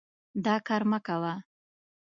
دا کار مه کوه.